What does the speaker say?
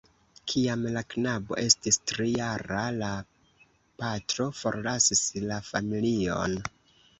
Kiam la knabo estis tri-jara, la patro forlasis la familion.